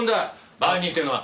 バーニーってのは。